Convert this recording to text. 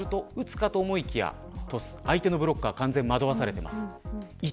そうすると打つかと思いきやトス相手のブロックは当然、惑わされています。